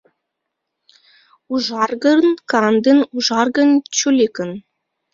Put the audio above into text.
Ужаргын-кандын, ужаргын-чуликын